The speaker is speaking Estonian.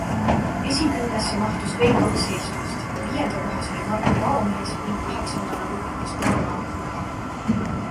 Esikümnesse mahtus veel kaks eestlast - viienda koha sai Mark Paomees ning kaheksandana lõpetas Karla Luhar.